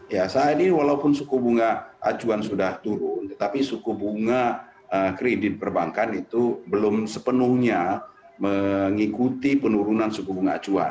ya saat ini walaupun suku bunga acuan sudah turun tetapi suku bunga kredit perbankan itu belum sepenuhnya mengikuti penurunan suku bunga acuan